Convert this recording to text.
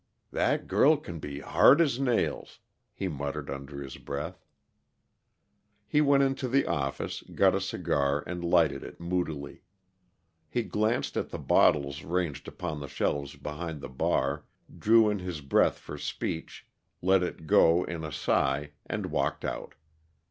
"That girl can be hard as nails!" he muttered, under his breath. He went into the office, got a cigar, and lighted it moodily. He glanced at the bottles ranged upon the shelves behind the bar, drew in his breath for speech, let it go in a sigh, and walked out.